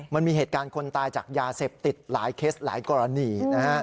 มันมีเหตุการณ์คนตายจากยาเสพติดหลายเคสหลายกรณีนะฮะ